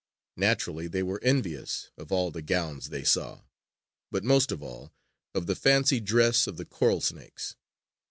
Naturally they were envious of all the gowns they saw, but most of all, of the fancy dress of the coral snakes.